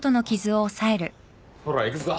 ほら行くぞ。